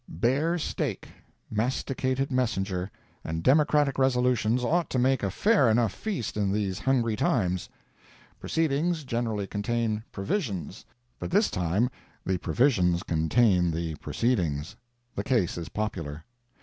Bear steak, masticated messenger, and Democratic resolutions ought to make a fair enough feast in these hungry times. Proceedings generally contain "provisions," but this time the provisions contain the proceedings. The case is peculiar.